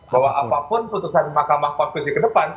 bahwa apapun putusan mahkamah konstitusi ke depan